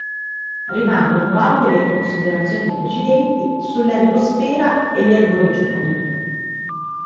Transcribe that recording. Rimangono valide le considerazioni precedenti sull'ergosfera e l'ergoregione.